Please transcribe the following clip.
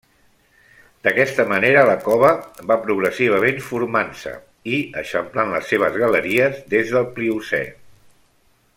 D'aquesta manera la cova va progressivament formant-se i eixamplant les seves galeries des del Pliocè.